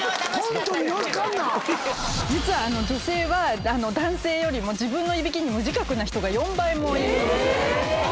実は女性は男性よりも自分のいびきに無自覚な人が４倍も。